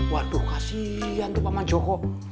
waduh kasian tuh mama joko